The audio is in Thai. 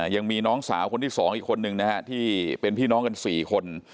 ยังมีน้องสาวคนที่๒อีกคนนึงนะฮะที่เป็นพี่น้องกัน๔คน